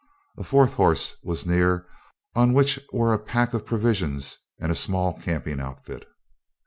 A fourth horse was near on which were a pack of provisions and a small camping outfit.